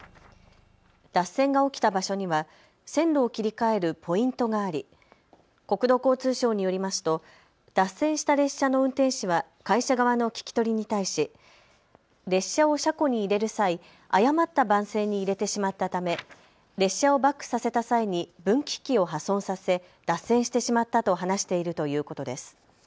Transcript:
脱線が起きた場所には線路を切り替えるポイントがあり国土交通省によりますと脱線した列車の運転士は会社側の聴き取りに対し列車を車庫に入れる際誤った番線に入れてしまったため列車をバックさせた際に分岐器を破損させ脱線してしまったと話しているということです。